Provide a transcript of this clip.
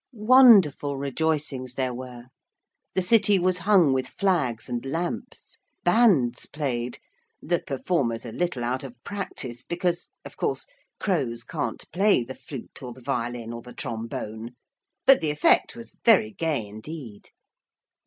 Wonderful rejoicings there were. The city was hung with flags and lamps. Bands played the performers a little out of practice, because, of course, crows can't play the flute or the violin or the trombone but the effect was very gay indeed.